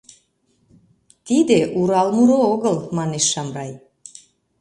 — Тиде Урал муро огыл, — манеш Шамрай.